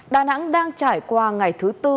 đà nẵng đang trải qua ngày thứ bốn